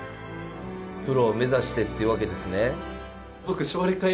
プロを目指してってわけですね。